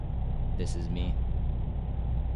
This Is Me...